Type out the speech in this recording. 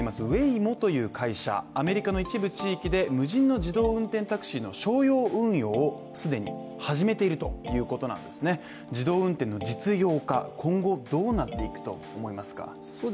ウェイモという会社、アメリカの一部地域で無人の自動運転タクシーの商用運用を既に始めているということなんですね、自動運転の実用化を今後どうなっていくと思いますか。